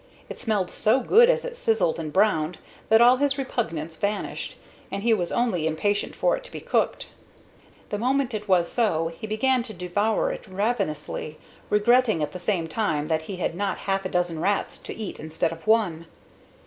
It smelled so good as it sizzled and browned that all his repugnance vanished, and he was only impatient for it to be cooked. The moment it was so he began to devour it ravenously, regretting at the same time that he had not half a dozen rats to eat instead of one.